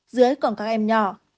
dưới còn các em nhỏ